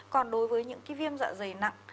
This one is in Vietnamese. còn đối với những cái viêm dạ dày nặng